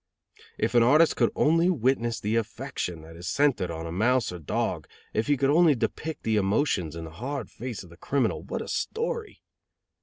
If an artist could only witness the affection that is centered on a mouse or dog, if he could only depict the emotions in the hard face of the criminal, what a story!